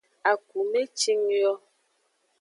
Akume cing yo.